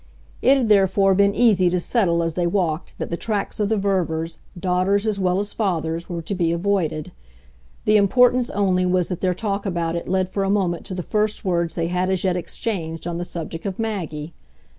It had therefore been easy to settle, as they walked, that the tracks of the Ververs, daughter's as well as father's, were to be avoided; the importance only was that their talk about it led for a moment to the first words they had as yet exchanged on the subject of Maggie.